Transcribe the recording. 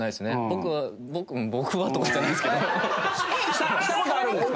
僕は僕はとかじゃないんですけど。した事あるんですか？